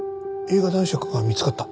映画男爵が見つかった？